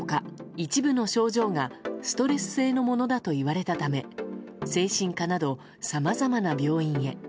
一部の症状がストレス性のものだと言われたため精神科などさまざまな病院へ。